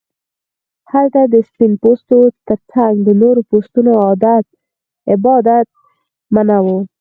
هلته د سپین پوستو ترڅنګ د تور پوستو عبادت منع و.